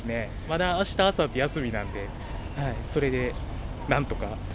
まだあした、あさって休みなので、それでなんとか。